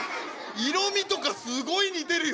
色みとかすごい似てるよ。